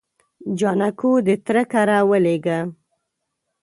جانکو د تره کره ولېږه.